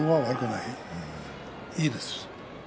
いいです。